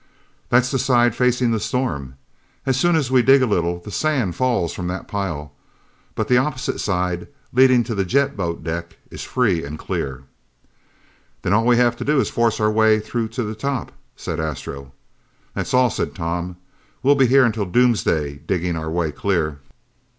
That's the side facing the storm! And as soon as we dig a little, the sand falls from that pile. But the opposite side, leading to the jet boat deck, is free and clear!" "Then all we have to do is force our way through to the top," said Astro. "That's all," said Tom. "We'd be here until doomsday digging our way clear."